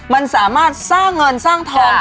มันสามารถสร้างเงินสร้างทอง